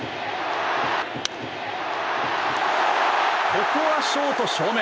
ここはショート正面。